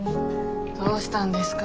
どうしたんですか？